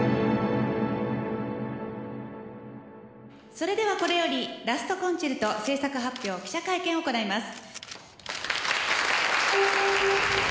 「それではこれより『ラスト・コンチェルト』制作発表記者会見を行います」